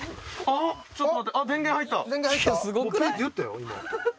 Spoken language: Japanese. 「あっ！」